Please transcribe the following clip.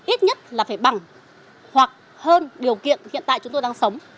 ít nhất là phải bằng hoặc hơn điều kiện hiện tại chúng tôi đang sống